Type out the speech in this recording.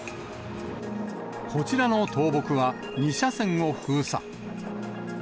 こちらの倒木は、２車線を封鎖。